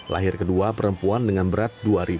lahir kedua perempuan dengan berat dua ribu seratus